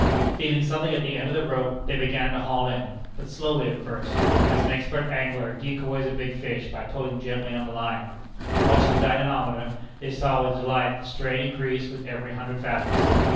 Feeling something at the end of the rope, they began to haul in, but slowly at first, as an expert angler decoys a big fish by pulling gently on the line. Watching the dynamometer, they saw with delight the strain increase with every hundred fathoms.